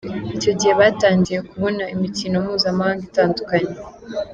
Icyo gihe batangiye kubona imikino mpuzamahanga itandukanye.